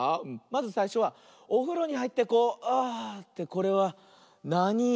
まずさいしょはおふろにはいってこうあってこれはなに「い」？